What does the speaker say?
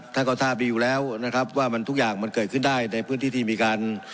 ท่านก็ทราบดีอยู่แล้วนะครับว่ามันทุกอย่างมันเกิดขึ้นได้ในพื้นที่ที่มีการ